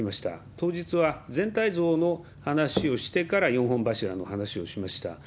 当日は全体像の話をしてから４本柱の話をしました。